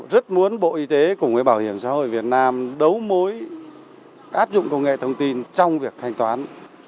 rất muốn bộ y tế cùng với bảo hiểm xã hội việt nam đấu mối áp dụng công nghệ thông tin trong việc thanh toán